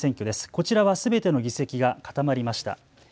こちらはすべての議席が固まりました。